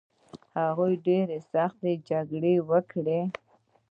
هغه ډیرې سختې جګړې وکړې